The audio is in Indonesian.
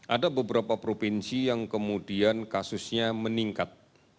ada beberapa provinsi yang kemudian kasusnya meningkat